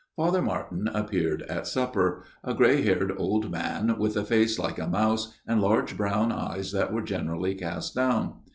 Father Martin appeared at supper ; a grey haired old man, with a face like a mouse, and large brown eyes that were generally cast down.